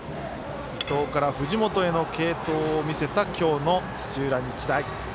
伊藤から藤本への継投を見せた今日の土浦日大。